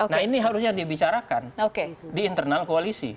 nah ini harusnya dibicarakan di internal koalisi